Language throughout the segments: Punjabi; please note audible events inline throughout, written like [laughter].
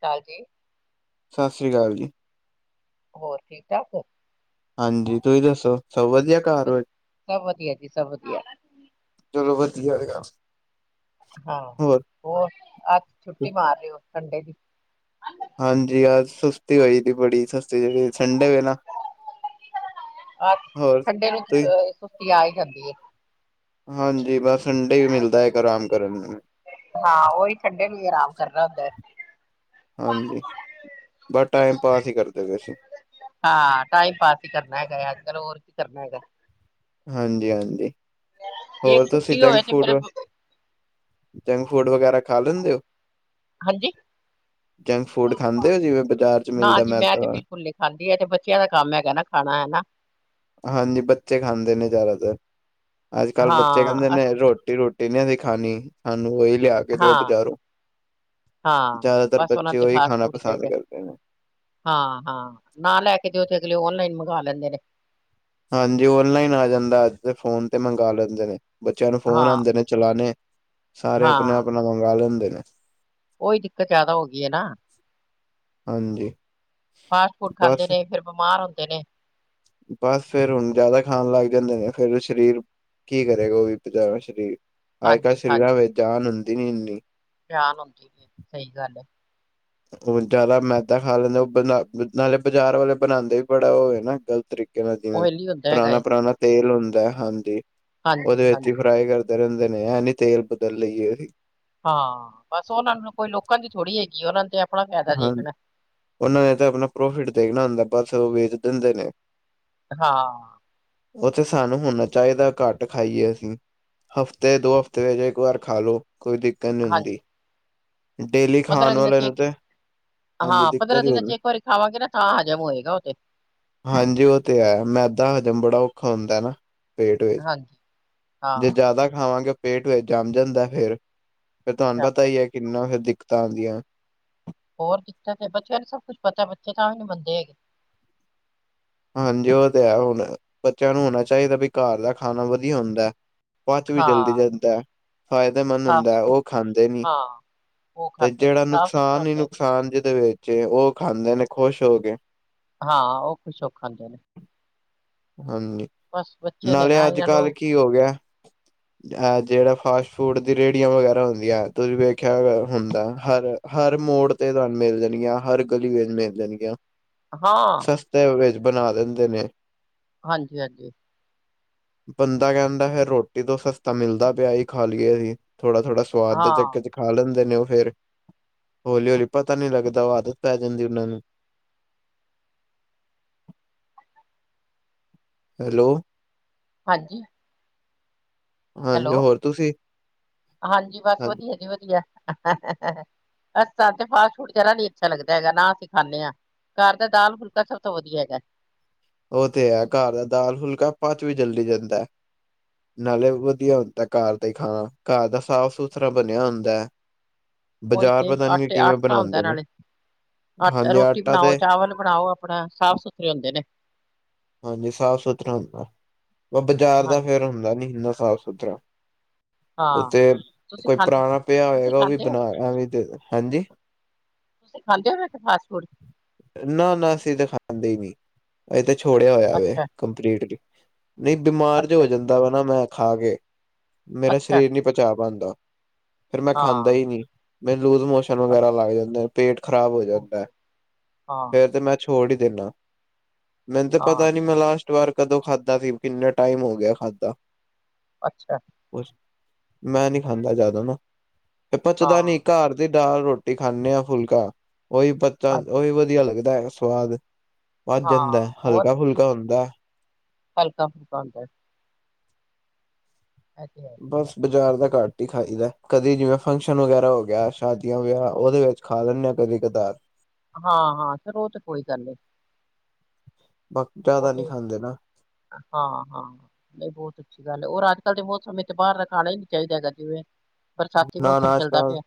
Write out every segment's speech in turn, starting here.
ਕਾਲ ਜੀ। ਸਸਰੀ ਕਾਲ ਜੀ। ਹੋਰ, ਠੀਕ - ਠਾਕ ਓ। ਹਾਂ ਜੀ, ਤੁਸੀਂ ਦੱਸੋ ਸਭ ਵਧੀਆ ਘਰ 'ਚ। ਸਭ ਵਧੀਆ ਜੀ ਸਭ ਵਧੀਆ, ਚਲੋ, ਵਧੀਆ ਹੈਗਾ। ਹਾਂ, ਹੋਰ ਆ, ਛੁੱਟੀ ਮਾਰ ਦੇੳ ਸੰਡੇ ਦੀ। ਹਾਂਜੀ, ਅਜ ਸੁਸਤੀ ਹੋਈ ਪਈ ਬੜੀ ਸਸਤੀ, ਸੰਡੇ ਵੇ ਨਾ। ਆ, ਹੋਰ ਸੰਡੇ ਨੂੰ ਤੁਸੀ ਸੁਸਤੀ ਆ ਈ ਜਾਂਦੀ ਏ। ਹਾਂ ਜੀ, ਬਸ ਸੰਡੇ ਹੀ ਮਿਲਦਾ ਹੈ, ਇੱਕ ਆਰਾਮ ਕਰਨ ਨੂੰ। ਹਾਂ, ਓਹੀ। ਸੰਡੇ ਨੂੰ ਆਰਾਮ ਕਰਨਾ ਹੁੰਦੈ। ਹਾਂ ਜੀ, ਬਸ ਟਾਈਮ ਪਾਸ ਹੀ ਕਰਦੇ ਪਏ ਸੀ। ਹਾਂ, ਟਾਈਮ ਪਾਸ ਹੀ ਕਰਨਾ ਹੈਗਾ। ਅੱਜ - ਕੱਲ ਹੋਰ ਕੀ ਕਰਨਾ ਹੈਗਾ। ਹਾਂਜੀ- ਹਾਂਜੀ, ਇਹ ਹੋਰ ਤੁਸੀਂ ਛੁੱਟੀ ਹੋਵੇ ਜੰਕ ਤੇ ਫੂਡ? ਫਿਰ ਜੰਕ ਫੂਡ ਵਗੈਰਾ ਖਾ ਲੈਂਦੇ ਹੋ? ਹਾਂਜੀ। ਜੰਕ ਫੂਡ ਖਾਂਦੇ ਹੋ ਜਿਵੇਂ ਬਾਜ਼ਾਰ ਚ ਨਾ ਮਿਲਦਾ ਜੀ, ਮੈਂ ਤੇ ਮੈਦਾ ਬਿਲਕੁਲ ਨੀ ਖਾਂਦੀ ਐ ਤੇ ਬੱਚਿਆਂ ਦਾ ਕੰਮ ਹੈਗਾ ਨਾ। ਖਾਣਾ ਹੈ ਨਾ। ਹਾਂ ਜੀ, ਬੱਚੇ ਖਾਂਦੇ ਨੇ ਜ਼ਿਆਦਾਤਰ। ਅੱਜ- ਕੱਲ੍ਹ ਬੱਚੇ ਕਹਿੰਦੇ ਹਾਂ ਨੇ ਅਸ- ਰੋਟੀ- ਰੋ ਇਨ੍ਹਾਂ ਦੀ ਖਾਨੀ, ਸਾਨੂੰ ਉਹੀ ਲਿਆ ਕੇ ਕਦੇ ਓ ਹਾਂ ਬਜ਼ਾਰੋਂ, ਹਾਂ ਜ਼ਿਆਦਾਤਰ ਬਸ ਉਹਨਾਂ ਬੱਚੇ ਤੇ ਉਹੀ ਫਾਸਟ ਖਾਣਾ ਫੂਡ ਪਸੰਦ ਚਾਹੀਦਾ, ਕਰਦੇ ਨੇ। ਹਾਂ ਹਾਂ। ਨਾ ਲੈ ਕੇ ਤੇ ਦੇਓ ਤੇ ਅਗਲੇ ਓਨਲਾਈਨ ਮੰਗਵਾ ਲੈਂਦੇ ਨੇ। ਹਾਂ ਜੀ ਓਨਲਾਈਨ ਆ ਜਾਂਦਾ। ਅੱਜ ਫੋਨ 'ਤੇ ਮੰਗਵਾ ਲੈਂਦੇ ਨੇ, ਬੱਚਿਆਂ ਨੂੰ ਫੋਨ ਹਾਂ ਆਉਂਦੇ ਨੇ ਚਲਾਣੇ। ਸਾਰੇ ਆਪਣਾ -ਆਪਣਾ ਮੰਗਾ ਲੈਂਦੇ ਨੇ। ਓਹੀ ਦਿੱਕਤ ਜਿਆਦਾ ਹੋ ਗਈ ਏ ਨਾ। ਹਾਂ ਜੀ। ਫਾਸਟ ਫੂਡ ਖਾਂਦੇ ਨੇ ਫਿਰ ਬਿਮਾਰ ਹੁੰਦੇ ਨੇ। ਬਸ ਫਿਰ ਹੁਣ ਜ਼ਿਆਦਾ ਖਾਣ ਲੱਗ ਜਾਂਦੇ ਨੇ ਫੇਰ ਸਰੀਰ, ਕੀ ਕਰੇਗਾ ਉਹ ਵੀ ਜਿਆਦਾ ਸਰੀਰ। ਅੱਜ- ਕਲ ਸਰੀਰਾ ਹਾਂਜੀ-ਹਾਂਜੀ, ਵਿਚ ਜਾਨ ਹੁੰਦੀ ਨੀ ਇੰਨੀ। ਜਾਨ ਹੁੰਦੀ ਨੀ, ਸਹੀ ਗੱਲ ਐ। ਹੁਣ ਜਿਆਦਾ ਮੈਦਾ ਖਾ ਲੈਂਦਾ ਉਹ ਬਨਾ ਨਾਲੇ ਬਾਜ਼ਾਰ ਵਾਲੇ ਬਣਾਉਂਦੇ ਵੀ ਬੜਾ ਉਹ ਹੈ ਨਾ ਗਲਤ। ਤਰੀਕੇ ਨਾਲ ਜਿਵੇਂ, ਓਇਲੀ ਹੁੰਦਾ ਹੈਗਾ ਪੁਰਾਣਾ ਏ। - ਪੁਰਾਣਾ ਤੇਲ ਹੁੰਦਾ ਐ ਹਾਂ ਜੀ। ਉਹਦੇ ਵਿਚ ਹੀ ਹਾਂਜੀ-ਹਾਂਜੀ, ਫਰਾਈ ਕਰ ਤਲਨ ਦੇ ਨੇ, ਐ ਨੀ ਤੇਲ ਬਦਲ ਲਈਏ ਅਸੀ। ਹਾਂ, ਬਸ ਉਹਨਾਂ ਨੂੰ ਕੋਈ ਲੋਕਾਂ ਦੀ ਥੋੜ੍ਹੀ ਹੈਗੀ ਉਹਨਾਂ ਤੇ ਆਪਣਾ ਫਾਇਦਾ ਹਾਂ ਦੇਖਣੈ। ਉਹਨਾਂ ਨੇ ਤਾਂ ਆਪਣਾ ਪ੍ਰੋਫਿਟ ਦੇਖਣਾ ਹੁੰਦਾ ਐ, ਬਸ ਉਹ ਵੇਚ ਦਿੰਦੇ ਨੇ। ਹਾਂ। ਉਤੇ ਸਾਨੂੰ ਹੋਣਾ ਚਾਹੀਂਦਾ ਘੱਟ ਖਾਈਏ ਅਸੀਂ। ਹਫ਼ਤੇ- ਦੋ ਹਫ਼ਤੇ ਵਿੱਚ ਇੱਕ ਵਾਰ ਖਾ ਲਉ, ਕੋਈ ਦਿੱਕਤ ਨਹੀਂ ਹੁੰਦੀ। ਹਾਂਜੀ ਡੇਲੀ ਪੰਦਰਾਂ ਖਾਣ ਦਿਨਾਂ ਵਾਲੇ ਚ ਨੂੰ ਇੱਕ ਤੇ ਹਾਂਜੀ ਹਾਂ, ਪੰਦਰਾਂ ਦਿੱਕਤ ਹੀ ਦਿਨਾਂ ਚ ਹੋਣੀ ਇੱਕ ਵਾਰੀ ਖਾਵਾਂਗੇ ਨਾ ਤਾ ਹਜਮ ਹੋਏਗਾ ਔਤੇ। ਹਾਂਜੀ ਉਹ ਤੇ ਹੈ ਮੈਂਦਾ ਹਜਮ ਬੜਾ ਔਖਾ ਹੁੰਦਾ ਨਾ। ਪੇਟ ਵਿੱਚ, ਹਾਂਜੀ ਜੇ ਹਾਂ। ਜ਼ਿਆਦਾ ਖਾਵਾਂਗੇ ਪੇਟ ਵਿੱਚ ਜੰਮ ਜਾਂਦਾ ਫਿਰ ਫਿਰ ਤੁਹਾਨੂੰ ਪਤਾ ਸ਼ਾਬਾਸ਼। ਹੀ ਹੈ ਕਿੰਨਾ ਫਿਰ ਦਿੱਕਤਾਂ ਆਦੀਆਂ ਐ। ਬਹੁਤ ਦਿੱਕਤ ਐ ਪਤਾ ਬੱਚਿਆਂ ਨੂੰ ਬੱਚੇ ਤਾਂ ਵੀ ਨਹੀਂ ਮੰਨਦੇ ਹੈਗੇ। ਹਾਂਜੀ ਉਹ ਤੇ ਹੈ ਹੁਣ, ਬੱਚਿਆਂ ਨੂੰ ਹੋਣਾ ਚਾਹੀਦਾ ਵੀ ਘਰ ਦਾ ਖਾਣਾ ਵਧੀਆ ਹੁੰਦਾ ਐ। ਪਚ ਵੀ ਜਲਦੀ ਹਾਂ। ਜਾਂਦਾ ਐ। ਫਾਇਦੇਮੰਦ ਸਾਫ਼ ਹੁੰਦਾ ਉਹ ਖਾਂਦੇ ਨੀ। ਹਾਂ, ਉਹ ਤੇ ਖਾਂਦੇ ਨੇ ਜਿਹੜਾ ਸਾਫ਼ ਸੁਥਰਾ ਨੁਕਸਾਨ ਹੀ ਹੁੰਦਾ, ਹੈ। ਨੁਕਸਾਨ ਜਿਹਦੇ ਵਿੱਚ ਉਹ ਖਾਂਦੇ ਨੇ ਖ਼ੁਸ਼ ਹੋ ਕੇ। ਹਾਂ ਉਹ ਖੁਸ਼ ਖਾਦਾਂ ਦੇ ਨੇ। ਹਾਂਜੀ। ਬਸ ਬੱਚੇ ਨੇ ਨਾਲੇ ਨਾ ਅੱਜ ਇਹਨਾਂ ਕੱਲ ਨੂੰ ਕੀ ਹੋ ਗਿਆ ਅ ਜਿਹੜਾ ਫਾਸਟ ਫੂਡ ਦੀ ਰੇਹੜੀਆਂ ਵਗੈਰਾ ਹੁੰਦੀਆਂ ਤੁਸੀਂ ਵੇਖਿਆ ਹੁੰਦਾ ਹਰ ਹਰ ਮੋੜ ਤੇ ਤਾਨੂੰ ਮਿਲ ਜਾਣਗੀਆਂ ਹਰ ਗਲੀ ਵਿੱਚ ਮਿਲ ਜਾਣਗੀਆਂ। ਹਾਂ ਸਸਤੇ ਵਿੱਚ ਬਣਾ ਦਿੰਦੇ ਨੇ। ਹਾਂਜੀ ਹਾਂਜੀ ਬੰਦਾ ਕਹਿੰਦਾ ਫਿਰ ਰੋਟੀ ਤੋਂ ਸਸਤਾ ਮਿਲਦਾ ਪਿਆ ਏ ਖਾ ਲਈਏ ਆਸੀ, ਥੋੜਾ -ਥੋੜਾ ਸਵਾਦ ਦੇ ਹਾਂ ਚੱਕਰ ਚ ਖਾ ਲੈਂਦੇ ਨੇ ਉਹ ਫੇਰ, ਹੌਲੀ-ਹੌਲੀ ਪਤਾ ਨਹੀਂ ਲੱਗਦਾ ਉਹ ਆਦਤ ਪੈ ਜਾਂਦੀ ਉਹਨਾਂ ਨੂੰ। ਹੈਲੋ ਹਾਂਜੀ ਹਾਂਜੀ ਹੈਲੋ, ਹੋਰ ਤੁਸੀਂ ਹਾਂਜੀ ਬਸ ਵਧੀਆ ਜੀ ਵਧੀਆ। ਆ ਤੇ ਫਾਸਟ ਫੂਡ ਜ਼ਰਾ ਨੀ ਅੱਛਾ ਲੱਗਦਾ ਹੈਗਾ ਨਾ ਅਸੀਂ ਖਾਂਣਿਆ। ਘਰ ਦਾ ਦਾਲ ਫੁਲਕਾ ਸਭ ਤੋਂ ਵਧੀਆ ਹੈਗਾ। ਉਹ ਤੇ ਹੈ ਘਰ ਦਾ ਦਾਲ ਫੁਲਕਾ ਪਚ ਵੀ ਜਲਦੀ ਜਾਂਦਾ ਐ। ਨਾਲੇ ਵਧੀਆ ਹੁੰਦਾ ਘਰ ਤੇ ਖਾਣਾ ਘਰ ਦਾ ਸਾਫ਼ ਸੁਥਰਾ ਬਣਿਆ ਹੁੰਦਾ ਹੈ। [inaudible] ਓਹੀ ਤੇ ਪਤਾ ਨੀ ਆਟੇ ਕਿਵੇਂ ਆਟਾ ਹੁੰਦਾ ਬਣਾਉਂਦੇ ਨੇ ਨਾਲੇ ਆਟੇ ਹਾਂਜੀ ਰੋਟੀ ਆਟਾ ਬਣਾਓ, ਤੇ ਚਾਵਲ ਬਣਾਓ ਆਪਣਾ ਸਾਫ਼ ਸੁਥਰੇ ਹੁੰਦੇ ਨੇ ਹਾਂਜੀ ਸਾਫ ਸੁਥਰਾ ਹੁੰਦਾ, ਬਾਜ਼ਾਰ ਦਾ ਹਾਂਜੀ ਫੇਰ ਹੁੰਦਾ ਨੀ ਇੰਨਾ ਸਾਫ਼ ਸੁਥਰਾ ਉ ਹਾਂ ਤੇ ਤੁਸੀਂ ਕੋਈ ਖਾਂਦੇ ਪੁਰਾਣਾ ਪਿਆ ਤੁਸੀਂ ਹੋਏਗਾ ਉਹ ਵੀ ਖਾਂਦੇ ਹੋ ਬਣਾ ਏ ਵੇਈ ਦੇ ਹਾਂਜੀ ਤੁਸੀਂ ਖਾਂਦੇ ਹੋ ਫਾਸਟ ਫੂਡ ਨਾ ਨਾ ਅਸੀਂ ਤੇ ਖਾਂਦੇ ਹੀ ਨੀ, ਅਸੀ ਤੇ ਛੋੜਿਆ ਹੋਇਆ ਵੇ ਅੱਛਾ ਕੰਪਲੀਟਲੀ, ਨਹੀਂ ਬਿਮਾਰ ਜ ਅੱਛਾ ਹੋ ਜਾਂਦਾ ਵਾ ਨਾ ਮੈਂ ਖਾ ਕੇ ਮੇਰਾ ਅੱਛਾ ਅੱਛਾ ਸਰੀਰ ਨਹੀਂ ਪਚਾ ਪਾਉਂਦਾ, ਫਿਰ ਮੈਂ ਖਾਂਦਾ ਹੀ ਹਾਂ ਨਹੀਂ ਮੈਨੂੰ ਲੂਜ ਮੋਸ਼ਨ ਵਗੈਰਾ ਲੱਗ ਜਾਂਦੇ ਪੇਟ ਖ਼ਰਾਬ ਹੋ ਜਾਂਦਾ, ਹਾਂ ਫੇਰ ਤੇ ਮੈਂ ਛੋੜ ਹੀ ਦੇਣਾ ਆਂ ਮੈਨੂੰ ਤਾਂ ਪਤਾ ਹਾਂ ਨੀ ਮੈਂ ਲਾਸਟ ਵਾਰ ਕਦੋਂ ਖਾਧਾ ਸੀ, ਕਿੰਨਾ ਟਾਈਮ ਹੋ ਗਿਆ ਖਾਧਾ ਅੱਛਾ ਕੁ ਮੈਂ ਨੀ ਖਾਂਦਾ ਜਿਆਦਾ ਨਾ ਤੇ ਪਚਦਾ ਹਾਂ ਨੀ, ਘਰ ਦੀ ਦਾਲ ਰੋਟੀ ਖਾਂਦੇ ਆਂ ਫੁਲਕਾ ਉਹੀ ਪਚ ਅੱਜ ਉਹੀ ਵਧੀਆ ਲੱਗਦਾ ਹੈ ਸਵਾਦ ਵੱਧ ਹਾਂ ਜਾਂਦਾ, ਹੋਰ ਹਲਕਾ ਫੁਲਕਾ ਹੁੰਦਾ ਹਲਕਾ ਫੁਲਕਾ ਹੁੰਦਾ ਐ ਤੇ ਹੈ ਹੀ ਹੈ। ਬਸ ਬਾਜ਼ਾਰ ਦਾ ਘੱਟ ਹੀ ਖਾਈਦਾ ਕਦੇ ਜਿਵੇਂ ਫੰਕਸ਼ਨ ਵਗੈਰਾ ਹੋ ਗਿਆ ਸ਼ਾਦੀਆਂ ਵਿਆਹ ਉਹਦੇ ਵਿੱਚ ਖਾ ਲੈਨਾਂ ਆਂ ਕਦੀ ਕਦਾਰ ਹਾਂ ਹਾਂ ਫਿਰ ਉਹ ਤੇ ਕੋਈ ਗੱਲ ਨੀ ਬਾ ਜਿਆਦਾ ਨਹੀਂ ਖਾਂਦੇ ਨਾ ਹਾਂ-ਹਾਂ ਨਹੀਂ ਬਹੁਤ ਅੱਛੀ ਗੱਲ ਏ, ਹੋਰ ਅੱਜ ਕੱਲ੍ਹ ਦੇ ਮੌਸਮ ਤੇ ਬਾਹਰ ਦਾ ਖਾਣਾ ਨੀ ਚਾਹੀਦਾ ਹੈਗਾ, ਜਿਵੇਂ ਬਰਸਾਤੀ ਨਾ ਨਾ ਮੌਸਮ ਆਜ ਚੱਲਦਾ ਕੱਲ ਪਿਆ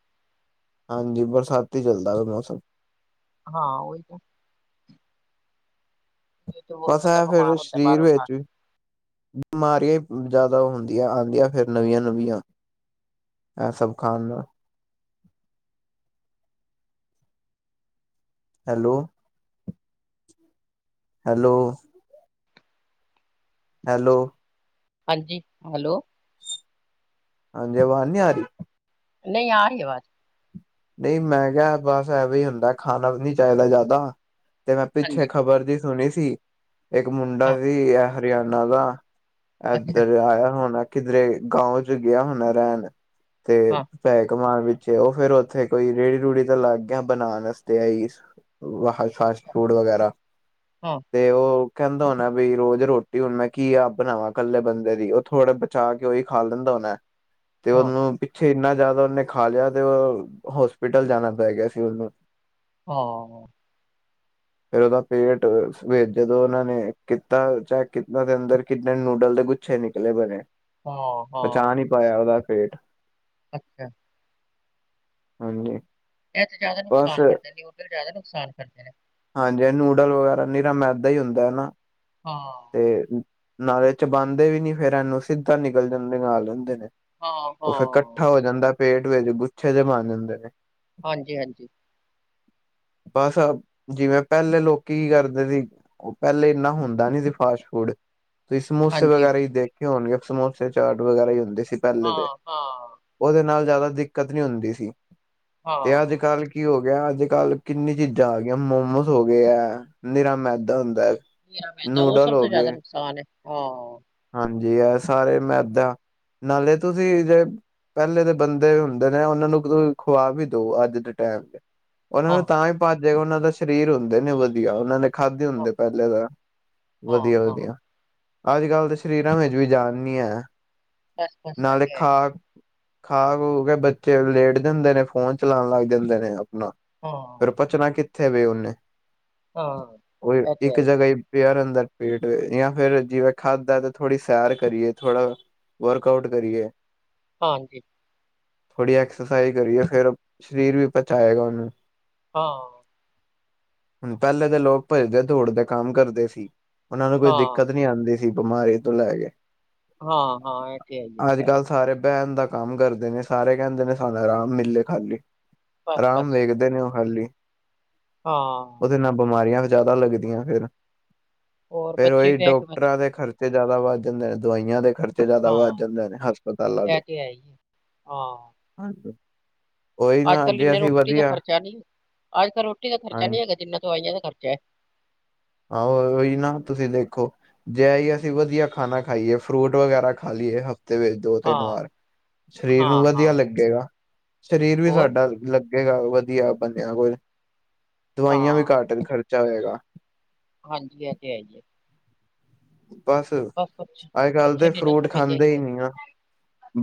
ਹਾਂਜੀ ਬਰਸਾਤੀ ਚੱਲਦਾ ਮੌਸਮ। ਹਾਂ, ਉਹੀ ਨਾ ਨਹੀਂ ਤੇ ਹੋਰ ਬਸ ਏ ਬੰਦਾ ਫੇਰ ਬਿਮਾਰ ਹੁੰਦਾ ਸਰੀਰ ਬਾਹਰੋਂ ਖਾ ਵਿੱਚ ਕੇ ਬਿਮਾਰੀਆਂ ਜ਼ਿਆਦਾ ਹੁੰਦੀਆਂ ਆਉਂਦੀਆਂ ਫਿਰ ਨਵੀਆਂ -ਨਵੀਆਂ ਇਹ ਸਭ ਖਾਣ ਨਾਲ ਹੈਲੋ ਹੈਲੋ। ਹੈਲੋ। ਹਾਂਜੀ। ਹੈਲੋ ਹਾਂਜੀ। ਆਵਾਜ਼ ਨਹੀ ਆ ਰਹੀ। ਨਹੀ ਆ ਰਹੀ ਐ ਆਵਾਜ਼ ਨਹੀਂ ਮੈਂ ਕਿਹਾ, ਬੱਸ ਐਵੇ ਹੀ ਹੁੰਦਾ ਖਾਣਾ ਵੀ ਨਹੀ ਚਾਹੀਦਾ ਜ਼ਿਆਦਾ, ਤੇ ਮੈਂ ਪਿੱਛੇ ਹਾਂਜੀ ਖ਼ਬਰ ਦੀ ਸੁਣੀ ਸੀ। ਇੱਕ ਮੁੰਡਾ ਹਾਂ ਵੀ ਇਹ ਹਰਿਆਣਾ ਦਾ ਅੱਛਾ ਇੱਧਰ ਆਇਆ ਹੋਣਾ ਕਿਧਰੇ ਗਾਉ ਚ ਗਿਆ ਹੋਣਾ ਰਹਿਣ। ਤੇ ਹਾਂ ਪੈਸੇ ਕਮਾਣ ਵਿੱਚ, ਉਹ ਫੇਰ ਉੱਥੇ ਕੋਈ ਰੇੜੀ ਰੂਹੜੀ ਤਾਂ ਲਗ ਗਿਆ ਬਣਾਉਣ ਵਾਸਤੇ ਏਈ ਵ ਫਾਸਟ ਅੱਛਾ ਫੂਡ ਵਗੈਰਾ, ਹਾਂ ਤੇ ਉਹ ਕਹਿੰਦਾ ਹੋਣੈ ਬਈ ਰੋਜ਼ ਰੋਟੀ ਹੁਣ ਮੈਂ ਕੀ ਆਪ ਬਣਾਵਾਂ। ਇਕੱਲੇ ਬੰਦੇ ਦੀ ਉਹ ਥੋੜੇ ਬਚਾ ਕੇ ਉਹੀ ਖਾ ਲੈਂਦਾ ਹੋਣਾ। ਤੇ ਹਾਂ ਉਹਨੂੰ ਪਿੱਛੇ ਇੰਨਾ ਜ਼ਿਆਦਾ ਉਹਨੇ ਖਾ ਲਿਆ ਤੇ ਉਹ ਹੋਸਪਿਟਲ ਜਾਣਾ ਪੈ ਗਿਆ ਸੀ। ਉਹਨੂੰ ਹਾਂ [inaudible] ਫੇਰ ਉਹਦਾ ਪੇਟ ਜਦੋਂ ਉਹਨਾਂ ਨੇ ਕਿ ਕੀਤਾ ਚੈਕ ਕੀਤਾ ਦੇ ਅੰਦਰ ਕਿਨੇ ਨੂਡਲ ਦੇ ਛੇ ਨਿਕਲੇ ਬਣੇ ਹਾਂ-ਹਾਂ ਮਾਇਆ ਉਹਦਾ ਪੇਟ ਅੱਛਾ। ਹਾਂਜੀ। ਇਹ ਤੇ ਜ਼ਿਆਦਾ ਬਸ ਨੁਕਸਾਨ ਕਰਦੇ ਨਿਊਡਲ ਜ਼ਿਆਦਾ ਨੁਕਸਾਨ ਕਰਦੇ ਨੇ ਹਾਂਜੀ ਨੂਡਲ ਵਗੈਰਾ ਨੀਰਾ ਮੈਦਾ ਹੀ ਹੁੰਦਾ ਹਨਾ ਹਾਂ। ਤੇ ਨਾਲੇ ਚਬਾਂਦੇ ਵੀ ਨੀ ਫੇਰ ਇਹਨੂੰ ਸਿੱਧਾ ਨਿਕਲ ਜਾਂਦੇ ਨਾਲ ਲੈਂਦੇ ਨੇ ਹਾਂ ਉਹ ਫਿਰ ਹਾਂ ਇਕੱਠਾ ਹੋ ਜਾਂਦਾ ਪੇਟ ਵਿੱਚ ਗੁੱਛੇ ਜੇ ਬਣ ਜਾਂਦੇ ਨੇ ਹਾਂਜੀ- ਹਾਂਜੀ [inaudible] ਬੱਸ ਜਿਵੇਂ ਪਹਿਲੇ ਲੋਕੀ ਕੀ ਕਰਦੇ ਸੀ। ਉਹ ਪਹਿਲੇ ਇੰਨਾ ਹੁੰਦਾ ਨੀ ਸੀ। ਫਾਸਟ ਫੂਡ ਤੁਸੀਂ ਸਮੋਸੇ ਹਾਂਜੀ, ਵਗੈਰਾ ਹੀ ਦੇਖੇ ਹੋਣਗੇ ਸਮੋਸੇ ਚਾਟ ਵਗੈਰਾ ਹੀ ਹੁੰਦੇ ਸੀ। ਪਹਿਲੇ ਦੇ ਹਾਂ, ਹਾਂ, ਉਹਦੇ ਨਾਲ ਜਿਆਦਾ ਦਿੱਕਤ ਨੀ ਹੁੰਦੀ ਸੀ। ਤੇ ਅੱਜ ਹਾਂ, ਕੱਲ ਕੀ ਹੋ ਗਿਆ ਅੱਜ ਕੱਲ੍ਹ ਕਿੰਨੀ ਚੀਜ਼ਾਂ ਆ ਗਈਆਂ ਮੋਮੋਸ ਹੋ ਗਏ ਆ ਨਿਰਾ ਮੈਦਾ ਹੁੰਦਾ ਹੈ। ਨੀਰਾ ਮੈਂਦਾ, ਉਹ ਨੂਡਲ ਸਭ ਤੋਂ ਹੋ ਜ਼ਿਆਦਾ ਗਏ ਨੁਕਸਾਨ ਹੈ। ਹਾਂ ਹਾਂਜੀ ਇਹ ਸਾਰੇ ਮੈਂਦਾ ਨਾਲੇ ਤੁਸੀਂ ਜੇ ਪਹਿਲੇ ਦੇ ਬੰਦੇ ਹੁੰਦੇ ਨੇ ਉਹਨਾਂ ਨੂੰ ਖੁਵਾ ਬੀ ਦਓ ਅੱਜ ਦੇ ਟਾਈਮ ਉਹਨਾਂ ਹਾਂ, ਨੂੰ ਤਾਂ ਹੀ ਭੱਜੇ ਉਹਨਾਂ ਦਾ ਸਰੀਰ ਹੁੰਦੇ ਨੇ ਵਧੀਆ ਉਹਨਾਂ ਨੇ ਖਾਧੇ ਹਾਂ, ਹੁੰਦੇ ਪਹਿਲੇ ਤਾਂ ਹਾਂ, ਹਾਂ, ਵਧੀਆ-ਵਧੀਆ ਅੱਜ ਕੱਲ੍ਹ ਦੇ ਸਰੀਰਾਂ ਵਿੱਚ ਵੀ ਜਾਨ ਨੀ ਐ ਬਸ, ਬਸ ਇਹ ਨਾਲੇ ਤੇ ਹੈ ਖਾ ਹੀ, ਖਾ ਖੂ ਕੇ ਬੱਚੇ ਲੇਟ ਜਾਂਦੇ ਨੇ ਫੋਨ ਚਲਾਉਣ ਲੱਗ ਜਾਂਦੇ ਨੇ ਆਪਣਾ ਹਾਂ ਫਿਰ ਪੱਚਣਾ ਕਿੱਥੇ ਵੇ ਉਹਨੇ ਹਾਂ, ਉਹ ਇਹ ਤੇ ਹੈ ਇੱਕ ਜਗ੍ਹਾ ਹੀ ਪਿਆ ਰਹਿੰਦਾ ਪੇਟ ਜਾਂ ਫਿਰ ਜਿਵੇਂ ਖਾਦਾ ਹੈ ਤੇ ਥੋੜੀ ਸੈਰ ਕਰੀਏ ਥੋੜ੍ਹਾ ਵਰਕ ਆਊਟ ਕਰੀਏ ਹਾਂਜੀ ਥੋੜੀ ਐਕਸਰਸਾਈਜ਼ ਕਰੀਏ ਫਿਰ ਸਰੀਰ ਵੀ ਪਚਾਏਗਾ ਉਹਨੂੰ ਹਾਂ ਹੁਣ ਪਹਿਲੇ ਦੇ ਲੋਕ ਭੱਜਦੇ ਦੌੜਦੇ ਕੰਮ ਕਰਦੇ ਸੀ ਉਹਨਾਂ ਨੂੰ ਕੋਈ ਹਾਂ, ਦਿੱਕਤ ਨਹੀਂ ਨੀ ਆਉਂਦੀ ਸੀ ਬਿਮਾਰੀ ਤੋਂ ਲੈ ਕੇ ਹਾਂ ਹਾਂ ਇਹ ਤੇ ਹੈ ਹੀ ਅੱਜ ਹੈ। ਕੱਲ੍ਹ ਸਾਰੇ ਬੈਨ ਦਾ ਕੰਮ ਕਰਦੇ ਨੇ ਸਾਰੇ ਕਹਿੰਦੇ ਨੇ ਸਾਨੂੰ ਆਰਾਮ ਮਿਲੇ ਖਾਲੀ ਬਸ, ਆਰਾਮ ਬਸ, ਵੇਖਦੇ ਨੇ ਉਹ ਖਾਲੀ ਹਾਂ ਉਹਦੇ ਨਾਲ ਬਿਮਾਰੀਆਂ ਜ਼ਿਆਦਾ ਲੱਗਦੀਆਂ ਫਿਰ ਹੋਰ ਫਿਰ ਬੱਚੇ ਉਹੀ ਵੀ ਹੈ ਕਿ ਬਸ, ਡਾਕਟਰਾਂ ਦੇ ਖਰਚੇ ਜਿਆਦਾ ਵੱਧ ਜਾਂਦੇ ਨੇ ਦਵਾਈਆਂ ਦੇ ਖਰਚੇ ਜ਼ਿਆਦਾ ਵੱਧ ਹਾਂ, ਜਾਂਦੇ ਨੇ ਹਸਪਤਾਲਾਂ ਇਹ ਦੇ ਤੇ ਹੈ ਹੀ ਹੈ, ਹਾਂ, ਹਾਂਜੀ ਉਹੀ ਅੱਜ ਨਾ ਕੱਲ ਜੇ ਇੰਨੇ ਅਸੀਂ ਰੋਟੀ ਦਾ ਵਧੀਆ ਖਰਚਾ ਨੀ ਅੱਜ ਕੱਲ੍ਹ ਰੋਟੀ ਦਾ ਖਰਚਾ ਨ ਹਾਂਜੀ ਨਹੀਂ ਹੈਗਾ ਜਿੰਨਾ ਦਵਾਈਆਂ ਦਾ ਖਰਚਾ ਹੈ। ਆਹੋ ਉਹੀ ਨਾ ਤੁਸੀਂ ਦੇਖੋ ਜੇ ਇਹ ਅਸੀਂ ਵਧੀਆ ਖਾਣਾ ਖਾਈਏ ਫਰੂਟ ਵਗੈਰਾ ਖਾ ਲਈਏ ਹਫ਼ਤੇ ਵਿੱਚ ਦੋ ਤਿੰਨ ਹਾਂ, ਵਾਰ ਸਰੀਰ ਨੂੰ ਹਾਂ, ਹਾਂ, ਵਧੀਆ ਲੱਗੇਗਾ ਸਰੀਰ ਵੀ ਹੋਰ ਸਾਡਾ ਲੱਗੇਗਾ ਵਧੀਆ ਬੰਦਿਆ ਕੋਲ, ਦਵਾਈਆਂ ਵੀ ਹਾਂ। ਘੱਟ ਖਰਚਾ ਹੋਏਗਾ। ਹਾਂਜੀ, ਇਹ ਤੇ ਹੈ ਜੀ ਆ ਬਸ ਕੁਛ ਅੱਜ ਕੱਲ ਬੱਚੇ ਤਾਂ ਨੀ ਨਾ ਫਰੂਟ ਸਮਝਦੇ ਖਾਂਦੇ ਹੀ ਹੈਗੇ ਨਹੀ ਆ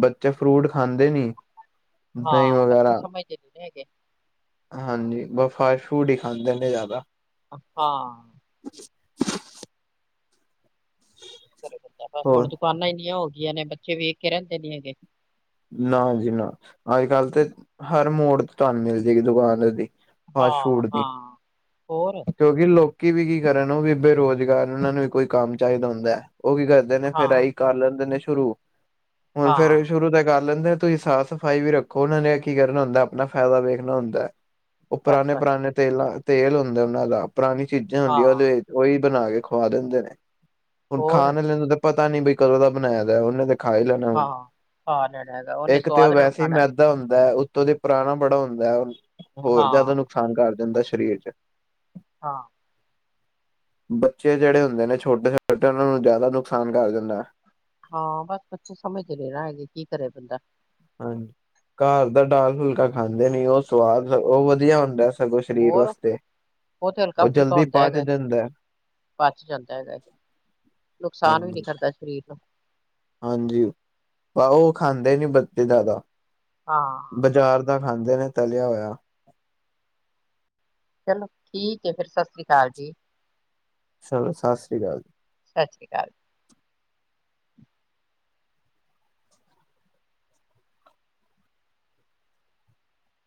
ਬੱਚੇ ਫਰੂਟ ਖਾਂਦੇ ਨੀ, ਦਹੀਂ ਹਾਂ, ਬੱਚੇ ਵਗੈਰਾ ਸਮਝਦੇ ਨਹੀਂ ਹੈਗੇ। ਹਾਂਜੀ, ਬਸ ਫਾਸਟ ਫੂਡ ਹੀ ਖਾਂਦੇ ਨੇ ਜ਼ਿਆਦਾ ਹਾਂ- ਬੰਦਾ ਬਸ ਹੁਣ ਹੋਰ ਦੁਕਾਨਾਂ ਇੰਨੀਆਂ ਹੋ ਗਈਆਂ ਨੇ, ਬੱਚੇ ਵੇਖ ਕੇ ਰਹਿੰਦੇ ਨੀ ਹੈਗੇ। ਨਾ ਜੀ ਨਾ, ਅੱਜ ਕੱਲ ਤੇ ਹਰ ਮੋੜ ਤੁਹਾਨੂੰ ਮਿਲ ਜਾਏਗੀ ਦੁਕਾਨ ਇਹਦੀ ਹਾਂ ਹਾਂ, ਹੋਰ ਕਿਉਂਕਿ ਲੋਕੀ ਵੀ ਕੀ ਕਰਨ ਉਹ ਵੀ ਬੇਰੁਜ਼ਗਾਰ, ਉਹਨਾਂ ਨੂੰ ਵੀ ਕੋਈ ਕੰਮ ਚਾਹੀਦਾ ਹੁੰਦਾ ਉਹ ਕੀ ਕਰ ਦੇ ਨੇ ਹਾਂ ਫਿਰ ਏਹੀ ਕਰ ਲੈਂਦੇ ਨੇ ਸ਼ੁਰੂ, ਹੁਣ ਫਿਰ ਹਾਂ ਸ਼ੁਰੂ ਤੇ ਕਰ ਲੈਂਦੇ। ਤੁਸੀਂ ਸਾਫ਼ ਸਫ਼ਾਈ ਵੀ ਰੱਖੋ, ਉਹਨਾਂ ਨੇ ਕੀ ਕਰਨਾ ਹੁੰਦਾ ਆਪਣਾ ਫਾਇਦਾ ਵੇਖਣਾ ਹੁੰਦਾ ਹੈ ਉਹ ਬਸ ਪੁਰਾਣੇ ਬਸ ਪੁਰਾਣੇ ਤੇਲਾਂ ਤੇਲ ਹੁੰਦਾ ਉਹਨਾਂ ਦਾ, ਪੁਰਾਣੀ ਚੀਜ਼ਾਂ ਹਾਂ ਹੁੰਦੀਆਂ ਉਹਦੇ ਉਹੀ ਬਣਾ ਕੇ ਖਵਾ ਦਿੰਦੇ ਨੇ ਹੁਣ ਹੋਰ ਖਾਣ ਆਲੇ ਨੂੰ ਤਾਂ ਪਤਾ ਨੀ ਬਈ, ਕਦੋਂ ਦਾ ਬਣਾਇਆ ਦਾ ਉਹਨੇ ਖਾ ਹੀ ਲੈਣਾ ਹੁਣ, ਹਾਂ ਖਾ ਲੈਣਾ ਹੈਗਾ ਉਹਨੇ ਇੱਕ ਤੇ ਉਹ ਸਵਾਦ ਨਾਲ ਵੈਸੇ ਹੀ ਖਾਣਾ ਮੈਦਾ ਹੁੰਦਾ ਹੈ ਉੱਤੋਂ ਦੇ ਪੁਰਾਣਾ ਬੜਾ ਹੁੰਦਾ ਹੈ, ਹਾਂ ਹੋਰ ਜ਼ਿਆਦਾ ਨੁਕਸਾਨ ਕਰ ਜਾਂ ਹੁੰਦਾ ਸਰੀਰ ਚ' ਹਾਂ- ਬੱਚੇ ਜਿਹੜੇ ਹੁੰਦੇ ਨੇ ਛੋਟੇ ਛੋਟੇ, ਉਹਨਾਂ ਨੂੰ ਜ਼ਿਆਦਾ ਨੁਕਸਾਨ ਕਰ ਦਿੰਦਾ। ਹਾਂ ਬਸ, ਬੱਚੇ ਸਮਝਦੇ ਨਹੀਂ ਨਾ ਹੈਗੇ ਕੀ ਕਰੇ ਬੰਦਾ ਹਾਂਜੀ, ਘਰ ਦਾ ਦਾਲ ਫੁਲਕਾ ਖਾਂਦੇ ਨੀ ਉਹ ਸਵਾਦ ਉਹ ਵਧੀਆ ਹੁੰਦਾ ਸਗੋਂ ਸਰੀਰ ਹੋਰ ਵਾਸਤੇ, ਤੇ ਹਲਕਾ ਉਹ ਫੁਲਕਾ ਜਲਦੀ ਹੁੰਦਾ ਪਚ ਹੈਗਾ ਜਾਂਦਾ ਏ। ਪਚ ਜਾਂਦਾ ਹੈਗਾ, ਨੁਕਸਾਨ ਵੀ ਨੀ ਹਾਂਜੀ ਕਰਦਾ ਸਰੀਰ ਨੂੰ ਹਾਂਜੀ, ਆ ਉਹ ਖਾਂਦੇ ਨੀ ਬੱਚੇ ਜ਼ਿਆਦਾ ਹਾਂ ਬਾਜ਼ਾਰ ਦਾ ਖਾਂਦੇ ਨੇ ਤਲਿਆ ਹੋਇਆ। ਚਲੋ, ਠੀਕ ਫਿਰ ਸਤਿ ਸ੍ਰੀ ਅਕਾਲ ਜੀ। ਚਲੋ, ਸਤਿ ਸ਼੍ਰੀ ਅਕਾਲ ਜੀ। ਸਤਿ ਸ਼੍ਰੀ ਅਕਾਲ।